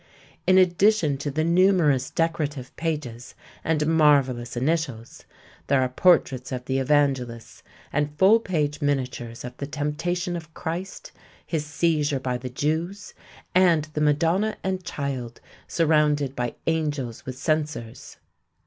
In addition to the numerous decorative pages and marvellous initials, there are portraits of the Evangelists and full page miniatures of the Temptation of Christ, His Seizure by the Jews, and the Madonna and Child surrounded by Angels with censers.